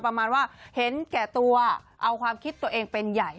ประมาณว่าเห็นแก่ตัวเอาความคิดตัวเองเป็นใหญ่